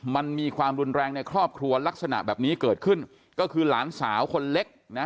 มันมีความรุนแรงในครอบครัวลักษณะแบบนี้เกิดขึ้นก็คือหลานสาวคนเล็กนะ